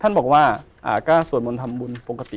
ท่านบอกว่าก็สวดมนต์ทำบุญปกติ